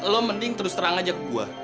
lo mending terus terang aja ke gue